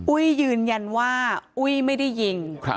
อุ้ยยืนยันว่าอุ้ยไม่ได้ยิง